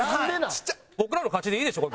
僕らの勝ちでいいでしょ。